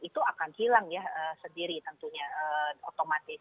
itu akan hilang ya sendiri tentunya otomatis